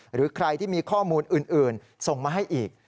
หรือใครที่มีข้อมูลอื่นส่งมาให้อีก